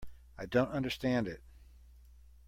I don't understand it.